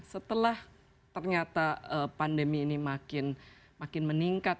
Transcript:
setelah ternyata pandemi ini makin meningkat